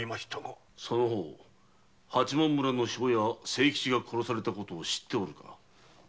その方八幡村の庄屋・清吉が殺されたこと知っておるか？